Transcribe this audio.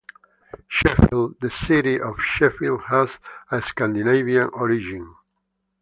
Sheffield - The city of Sheffield has a Scandinavian origin.